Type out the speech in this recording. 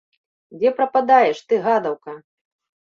Дзе прападаеш ты, гадаўка?